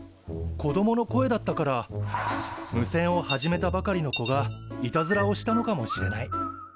子供の声だったから無線を始めたばかりの子がいたずらをしたのかもしれない。